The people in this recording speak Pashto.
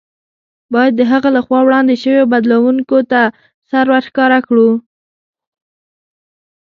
باید د هغه له خوا وړاندې شویو بدلوونکو ته سر ورښکاره کړو.